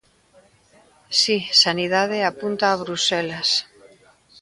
Si, Sanidade apunta a Bruxelas.